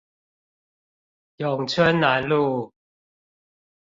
永春南路